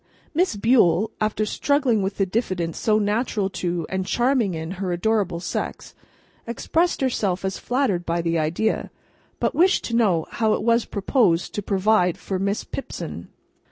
Miss Bule, after struggling with the diffidence so natural to, and charming in, her adorable sex, expressed herself as flattered by the idea, but wished to know how it was proposed to provide for Miss Pipson?